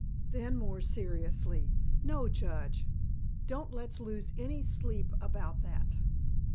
Then more seriously, "No, Judge, don't let's lose any sleep about that.